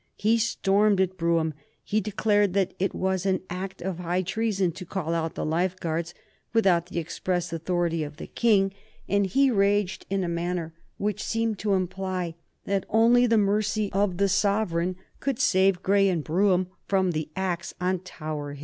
He stormed at Brougham; he declared that it was an act of high treason to call out the Life Guards without the express authority of the King, and he raged in a manner which seemed to imply that only the mercy of the sovereign could save Grey and Brougham from the axe on Tower Hill.